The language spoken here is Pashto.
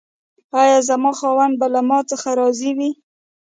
ایا زما خاوند به له ما څخه راضي وي؟